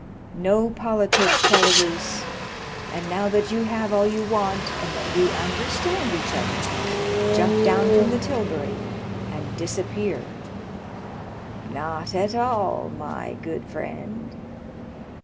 "No politics, Caderousse. And now that you have all you want, and that we understand each other, jump down from the tilbury and disappear." "Not at all, my good friend."